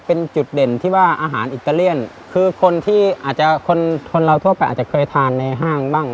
เป็นจุดเด่นที่ว่าอาหารอิตาเลียนคือคนที่อาจจะคนคนเราทั่วไปอาจจะเคยทานในห้างบ้าง